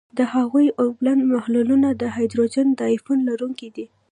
د هغوي اوبلن محلولونه د هایدروجن د آیون لرونکي دي.